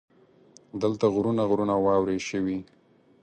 دلته غرونه غرونه واورې شوي.